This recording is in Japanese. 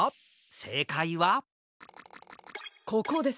せいかいはここです。